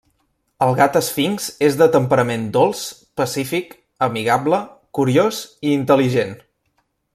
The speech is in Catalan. El gat esfinx és de temperament dolç, pacífic, amigable, curiós i intel·ligent.